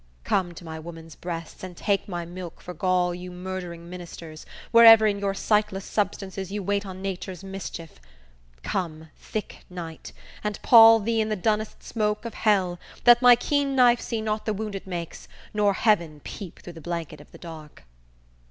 Come to my woman's breasts, And take my milk for gall, you murdering ministers, Wherever in your sightless substances You wait on nature's mischief; come, thick night, And pall thee in the dunnest smoke of hell! That my keen knife see not the wound it makes; Nor heaven peep through the blanket of the dark!"